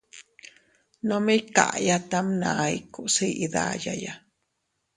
Nome iykaya tamʼna ikuus iʼi dayaya.